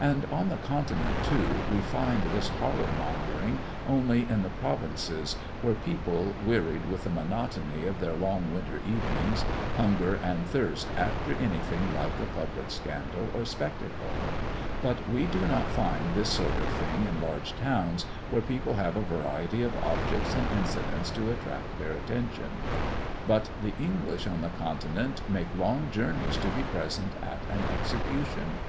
And on the Continent, too, we find this horror mongering only in the provinces, where people, wearied with the monotony of their long winter evenings, hunger and thirst after anything like a public scandal or spectacle; but we do not find this sort of thing in large towns, where people have a variety of objects and incidents to attract their attention. But the English on the Continent make long journeys to be present at an execution.